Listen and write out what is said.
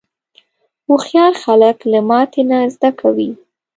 هوښیار خلک له ماتې نه زده کوي.